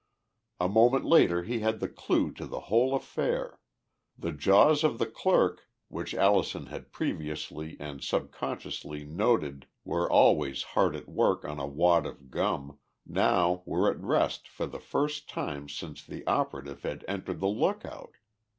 A moment later he had the clue to the whole affair the jaws of the clerk, which Allison had previously and subconsciously noted were always hard at work on a wad of gum, now were at rest for the first time since the operative had entered the lookout!